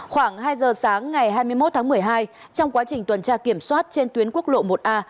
khoảng hai giờ sáng ngày hai mươi một tháng một mươi hai trong quá trình tuần tra kiểm soát trên tuyến quốc lộ một a